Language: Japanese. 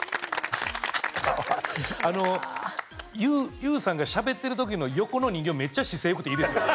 優さんがしゃべってる時の横の人形めっちゃ姿勢よくていいですよね。